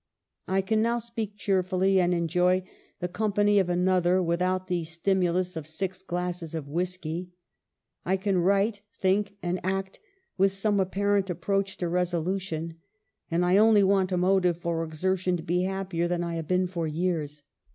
I can now speak cheerfully and en joy the company of another without the stimu lus of six glasses of .whiskey. I can write, think, and act with some apparent approach to resolu tion, and I only want a motive for exertion to be happier than I have been for years.